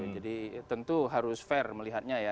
jadi tentu harus fair melihatnya ya